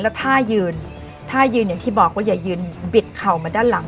แล้วท่ายืนท่ายืนอย่างที่บอกว่าอย่ายืนบิดเข่ามาด้านหลัง